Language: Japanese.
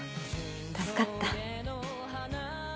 助かった。